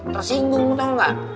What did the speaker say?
tersinggung tau gak